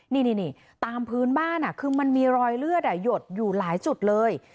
นี่ตามพื้นบ้านคือมันมีรอยเลือดหยดอยู่หลายจุดเลย